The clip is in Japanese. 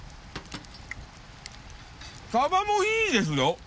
サバもいいですよ。